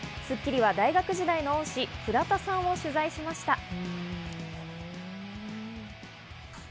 『スッキリ』は大学時代の恩師・倉田さんを取材しました。